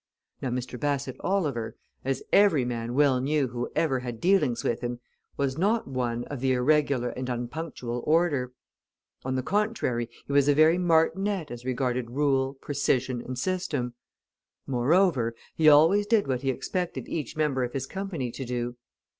Now Mr. Bassett Oliver, as every man well knew who ever had dealings with him, was not one of the irregular and unpunctual order; on the contrary, he was a very martinet as regarded rule, precision and system; moreover, he always did what he expected each member of his company to do.